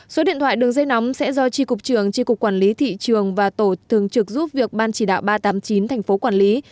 số điện thoại đường dây nóng sẽ do tri cục trường tri cục quản lý thị trường và tổ thường trực giúp việc ban chỉ đạo ba trăm tám mươi chín tp quản lý